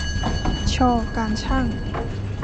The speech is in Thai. ช การช่าง